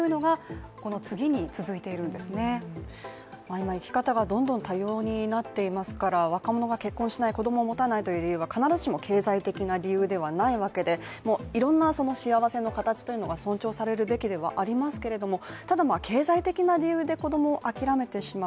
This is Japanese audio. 今、生き方がどんどん多様になっていますから若者が結婚しない子供を持たないという理由は経済的理由ではないわけで、いろんな幸せの形が尊重されるべきでありますが、ただ経済的な理由で子供を諦めてしまう